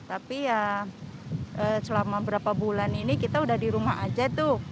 tapi ya selama berapa bulan ini kita udah di rumah aja tuh